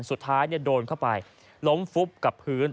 สุดท้ายโดนเข้าไปล้มฟุบกับพื้น